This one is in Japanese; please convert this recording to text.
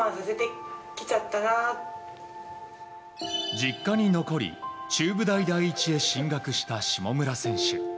実家に残り中部大第一へ進学した下村選手。